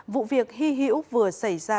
vụ việc hy hữu vừa xảy ra